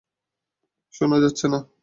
শুনা যাচ্ছে না।